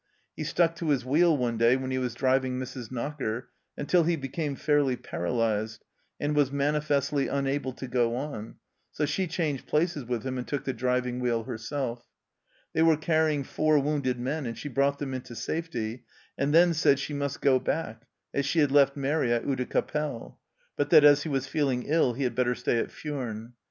He stuck to his wheel one day, when he was driving Mrs. Knocker, until he became fairly paralyzed, and was manifestly unable to go on, so she changed places with him arid took the driving wheel herself. They were carrying four wounded men, and she brought them into safety, and then said she must go back, as she had left Mairi at Oudecappelle, but that as he was feeling ill he had better stay at Furnes.